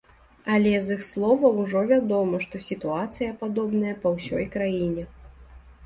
Але з іх словаў ужо вядома, што сітуацыя падобная па ўсёй краіне.